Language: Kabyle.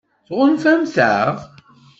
Tɣunfamt-aɣ?